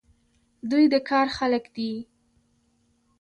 دوی د کار خلک دي.